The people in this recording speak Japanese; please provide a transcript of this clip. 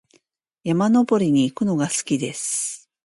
山登りに行くのが好きです。